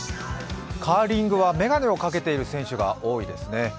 カーリングは眼鏡をかけている選手が多いですね。